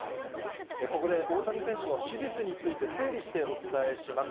ここで大谷選手の手術について、整理してお伝えします。